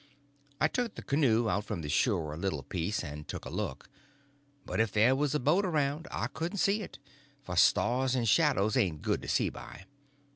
I took the canoe out from the shore a little piece, and took a look; but if there was a boat around I couldn't see it, for stars and shadows ain't good to see by.